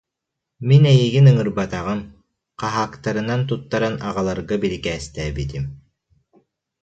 Мин эйигин ыҥырбатаҕым, хаһаактарынан туттаран аҕаларга бирикээстээбитим